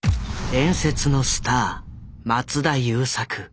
伝説のスター松田優作。